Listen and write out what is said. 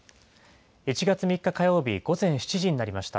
１月３日火曜日、午前７時になりました。